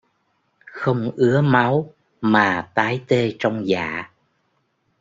Không ứa máu mà tái tê trong dạ